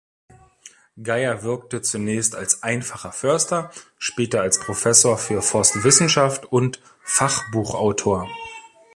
Gayer wirkte zunächst als einfacher Förster, später als Professor für Forstwissenschaft und Fachbuchautor.